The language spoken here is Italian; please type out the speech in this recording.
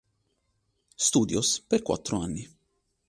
Studios per quattro anni.